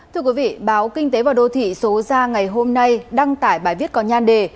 thưa quý vị báo kinh tế và đô thị số ra ngày hôm nay đăng tải bài viết có nhan đề